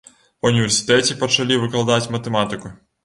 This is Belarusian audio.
Ва ўніверсітэце пачалі выкладаць матэматыку.